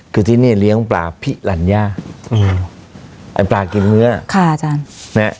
คือที่นี่เลี้ยงปลาพิรรณยาปลากินเมือง